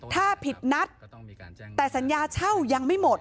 ถ้าผิดนัดแต่สัญญาเช่ายังไม่หมด